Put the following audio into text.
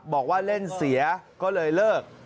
บอกว่าเล่นเสียก็เลยเลิก